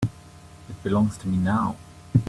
It belongs to me now.